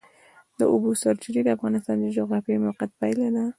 د اوبو سرچینې د افغانستان د جغرافیایي موقیعت پایله ده.